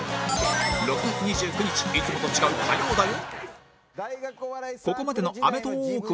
６月２９日いつもと違う火曜だよ